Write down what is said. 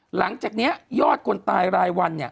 หลังจากนี้ยอดคนตายรายวัน